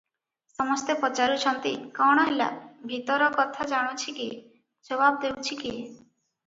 ସମସ୍ତେ ପଚାରୁଛନ୍ତି, "କଣ ହେଲା?" ଭିତର କଥା ଜାଣୁଛି କିଏ, ଜବାବ ଦେଉଛି କିଏ?